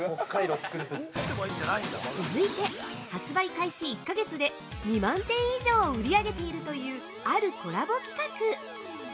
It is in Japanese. ◆続いて発売開始１か月で２万点以上を売り上げているというあるコラボ企画！